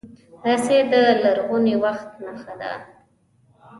رسۍ د لرغوني وخت نښه ده.